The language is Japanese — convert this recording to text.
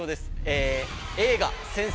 ◆映画「先生！